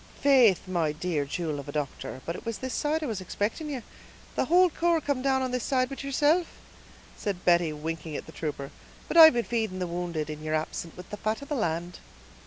"Faith, my dear jewel of a doctor, but it was this side I was expicting you; the whole corps come down on this side but yeerself," said Betty, winking at the trooper; "but I've been feeding the wounded, in yeer absence, with the fat of the land."